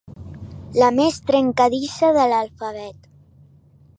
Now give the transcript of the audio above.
La més trencadissa de l'alfabet.